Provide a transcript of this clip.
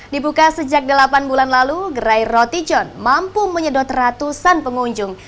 dibuka sejak delapan bulan lalu gerai roti john mampu menyedot ratusan pengunjung